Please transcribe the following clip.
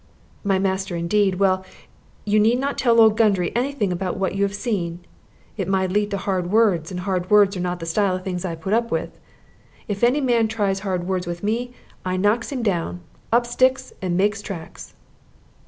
"My master, indeed! Well, you need not tell old Gundry any thing about what you have seen. It might lead to hard words; and hard words are not the style of thing I put up with. If any man tries hard words with me, I knocks him down, up sticks, and makes tracks."